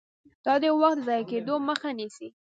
دا د وخت د ضایع کیدو مخه نیسي.